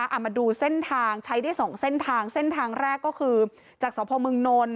เอามาดูเส้นทางใช้ได้สองเส้นทางเส้นทางแรกก็คือจากสพมนล